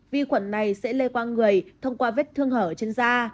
vi khuẩn này sẽ lây qua người thông qua vết thương hở trên da